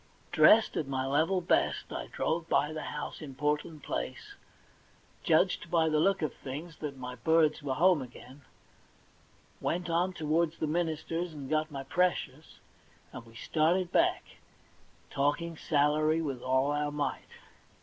Dressed at my level best, I drove by the house in Portland Place, judged by the look of things that my birds were home again, went on towards the minister's and got my precious, and we started back, talking salary with all our might.